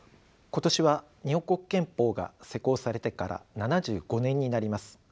今年は日本国憲法が施行されてから７５年になります。